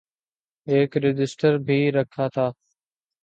ایک رجسٹر بھی رکھا تھا۔